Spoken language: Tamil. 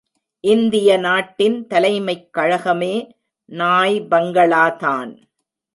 இந்திய நாட்டின் தலைமைக் கழகமே நாய்பங்களா தான்.